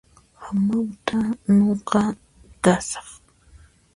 Hamawt'a nuqa kasaq